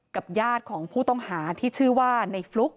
ญาติของผู้ต้องหาที่ชื่อว่าในฟลุ๊ก